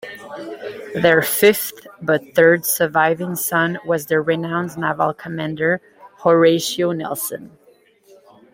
Their fifth but third surviving son was the renowned naval commander Horatio Nelson.